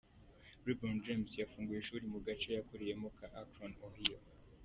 LeBron James yafunguye ishuri mu gace yakuriyemo ka Akron, Ohio.